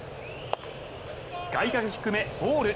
外角低め、ボール。